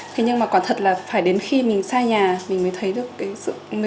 thế nhưng mà quả thật là phải đến khi mình xa nhà mình mới thấy được cái sự